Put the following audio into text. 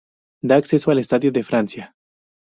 Da acceso al Estadio de Francia.